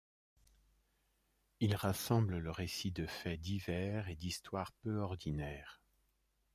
Il rassemble le récit de faits divers et d'histoires peu ordinaires.